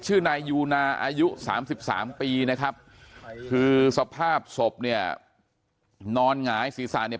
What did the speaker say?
ชื่อนายยูนาอายุสามสิบสามปีนะครับคือสภาพศพเนี่ยนอนหงายศีรษะเนี่ย